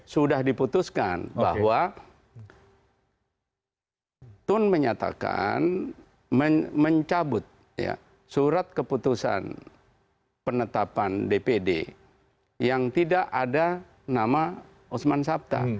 sudah diputuskan bahwa tun menyatakan mencabut surat keputusan penetapan dpd yang tidak ada nama usman sabta